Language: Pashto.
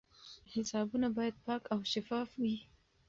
حسابونه باید پاک او شفاف وي.